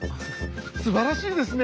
すばらしいですね！